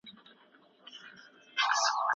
په توره دوره کي فلسفه ډېره کمزورې وه.